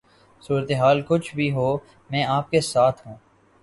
صورتحال کچھ بھی ہو میں آپ کے ساتھ ہوں